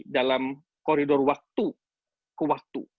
dalam koridor waktu ke waktu